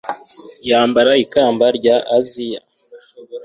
yambara ikamba rya aziya